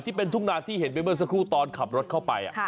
ที่เป็นทุ่งนาที่เห็นไปเมื่อสักครู่ตอนขับรถเข้าไป